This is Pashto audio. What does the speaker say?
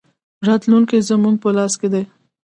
راتلونکی زموږ په لاس کې دی